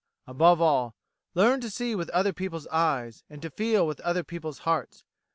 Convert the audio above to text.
Above all, learn to see with other people's eyes, and to feel with other people's hearts.